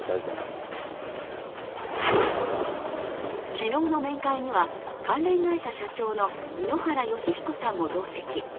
昨日の面会には、関連会社社長の井ノ原快彦さんも同席。